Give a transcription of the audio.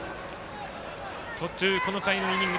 この回のイニング